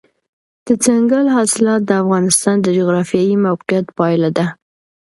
دځنګل حاصلات د افغانستان د جغرافیایي موقیعت پایله ده.